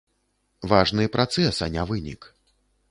Важны працэс, а не вынік.